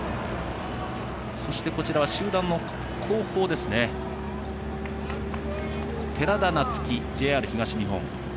そして、集団の後方寺田夏生、ＪＲ東日本。